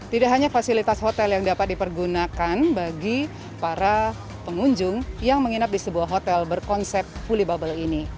tidak hanya fasilitas hotel yang dapat dipergunakan bagi para pengunjung yang menginap di sebuah hotel berkonsep fully bubble ini